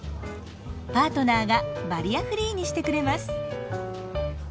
パートナーがバリアフリーにしてくれます。